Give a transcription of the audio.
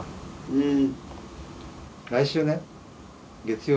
うん。